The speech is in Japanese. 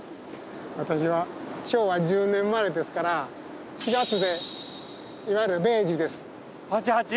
私は昭和１０年生まれですから４月でいわゆる米寿です８８？